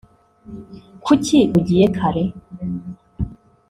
Kuki ugiye kare